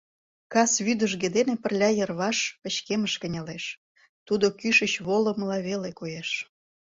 кас вӱдыжгӧ дене пырля йырваш пычкемыш кынелеш, тудо кӱшыч волымыла веле коеш.